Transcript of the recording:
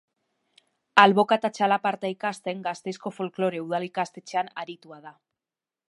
Alboka eta txalaparta ikasten Gazteizko folklore udal ikastetxean aritua da.